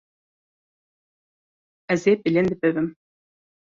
Ez ê bilind bibim.